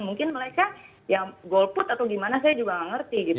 mungkin mereka ya golput atau gimana saya juga nggak ngerti gitu